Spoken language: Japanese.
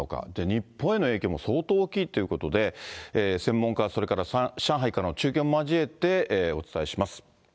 日本への影響も相当大きいっていうことで、専門家、それから上海からの中継も交えてお伝えします。